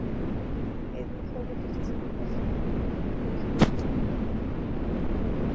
Edwin Hodge repitió su papel de la primera película.